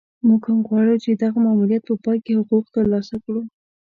موږ هم غواړو چې د دغه ماموریت په پای کې حقوق ترلاسه کړو.